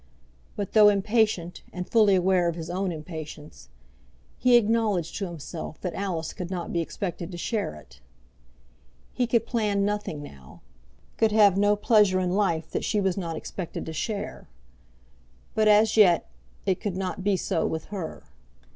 But though impatient, and fully aware of his own impatience, he acknowledged to himself that Alice could not be expected to share it. He could plan nothing now, could have no pleasure in life that she was not expected to share. But as yet it could not be so with her.